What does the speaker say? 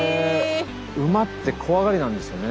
馬って怖がりなんですよね。